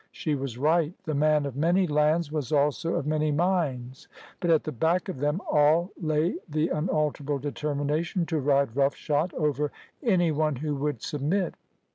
She was right. The man of many lands was also of many minds, but at the back of them all lay the unalterable determination to ride rough shod over any one who would submit.